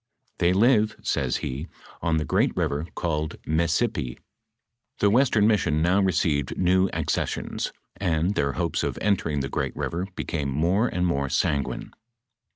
" They live," says he, " on the great river called Messipi."* The western mission now received new accessions, and their hopes of entering the great river became more and more sanguine.